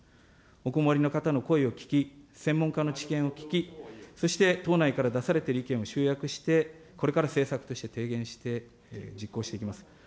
お困りの方の声を聞き、専門家の知見を聞き、そして党内から出されている意見を集約して、これから政策化して提言して、実行していきます。